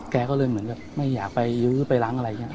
แกก็เลยเหมือนแบบไม่อยากไปยื้อไปล้างอะไรเนี่ย